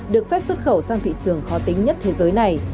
được phép xuất khẩu sang thị trường khó tính nhất thế giới này